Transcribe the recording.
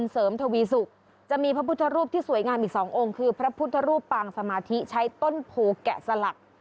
ทวีศุกร์จะมีพระพุทธรูปที่สวยงามอีกสององค์คือพระพุทธรูปปางสมาธิใช้ต้นโพแกะสลัก